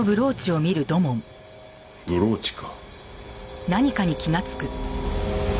ブローチか。